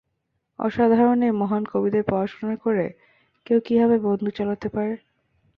অসাধারণ এই মহান কবিদের পড়াশুনা করে কেউ কীভাবে বন্দুক চালাতে পারে?